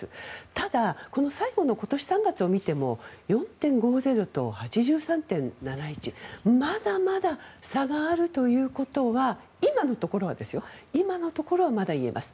ただ、この最後の今年３月を見ても４．５０と８３．７１まだまだ差があるということは今のところは言えます。